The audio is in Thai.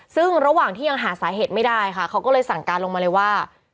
ซึ่งระหว่างที่ยังหาสาเหตุไม่ได้ค่ะเขาก็เลยสั่งการลงมาเลยว่า